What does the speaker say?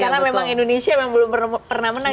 dan karena memang indonesia memang belum pernah menang